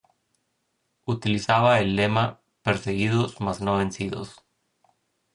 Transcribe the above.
Utilizaba el lema ≪perseguidos, mas no vencidos≫.